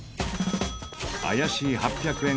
怪しい８００円